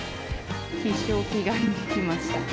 必勝祈願に来ました。